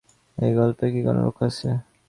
এই গল্পের কি কোনো লক্ষ্য আছে?